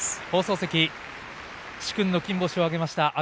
殊勲の金星を挙げました